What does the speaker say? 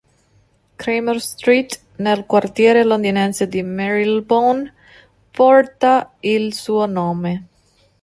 Cramer Street, nel quartiere londinese di Marylebone, porta il suo nome.